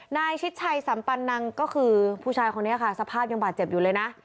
ชิดชัยสัมปันนังก็คือผู้ชายคนนี้ค่ะสภาพยังบาดเจ็บอยู่เลยนะ